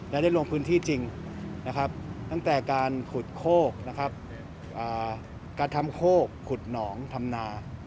และได้ลงพื้นที่จริงตั้งแต่การขุดโคกขุดหนองทำนา